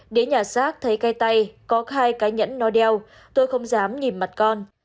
đến nhà xác thấy cây tay có hai cái nhẫn nó đeo tôi không dám nhìn mặt con